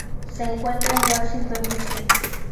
Se encuentra en Washington, D. C..